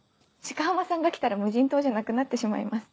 鹿浜さんが来たら無人島じゃなくなってしまいます。